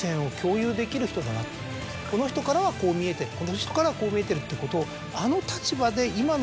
この人からはこう見えてるこの人からはこう見えてるってことをあの立場で。